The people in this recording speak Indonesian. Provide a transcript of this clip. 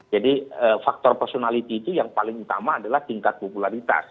jadi faktor personality itu yang paling utama adalah tingkat popularitas